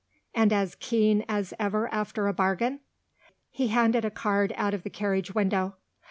and as keen as ever after a bargain?" He handed a card out of the carriage window.